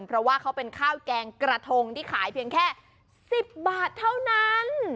เพราะว่าเขาเป็นข้าวแกงกระทงที่ขายเพียงแค่๑๐บาทเท่านั้น